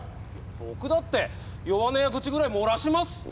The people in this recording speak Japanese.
僕だって弱音や愚痴ぐらい漏らします